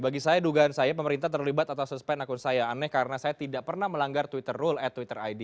bagi saya dugaan saya pemerintah terlibat atau suspend akun saya aneh karena saya tidak pernah melanggar twitter rule at twitter id